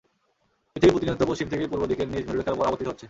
পৃথিবী প্রতিনিয়ত পশ্চিম থেকে পূর্ব দিকে নিজ মেরুরেখার ওপর আবর্তিত হচ্ছে।